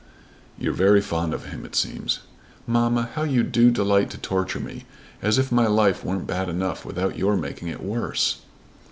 "You're very fond of him it seems." "Mamma, how you do delight to torture me; as if my life weren't bad enough without your making it worse."